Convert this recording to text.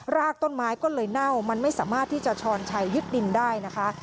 รากต้นไม้ก็เลยเน่ามันไม่สามารถที่จะช้อนชัยยึดดินได้นะคะ